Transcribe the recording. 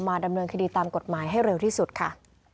ดำเนินคดีตามกฎหมายให้เร็วที่สุดค่ะ